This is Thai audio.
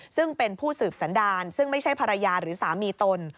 ซึ่งเป็นผู้สืบสันดารซึ่งไม่ใช่ภรรยาหรือสามีตน